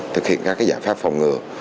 thực hiện các cái giải pháp phòng ngừa